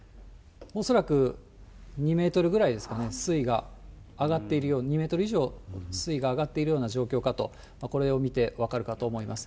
恐らく２メートルぐらいですかね、水位が上がっているように、２メートル以上、水位が上がっているような状況かと、これを見て分かるかと思います。